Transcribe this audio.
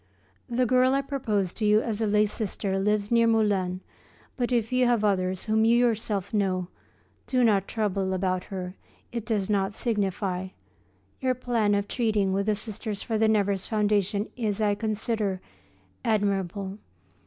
The girl I proposed to you as a lay sister lives near Moulins, but if you have others whom you yourself know, do not trouble about her, it does not signify. Your plan of treating with the Sisters for the Nevers foundation is, I consider, admirable.